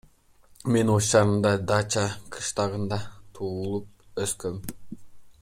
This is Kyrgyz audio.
Мен Ош шаарынын Дача кыштагында туулуп өскөм.